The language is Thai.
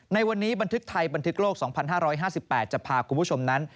ในวันนี้บันทึกไทยบันทึกโลก๒๕๕๘จะพาคุณผู้ชมนั้น